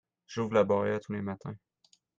J'ouvre la barrière tous les matins.